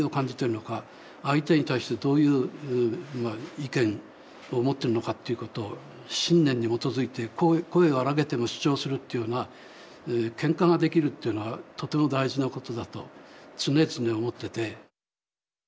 相手に対してどういう意見を持ってるのかっていうことを信念に基づいて声を荒げても主張するっていうのはけんかができるっていうのはとても大事なことだと常々思ってて。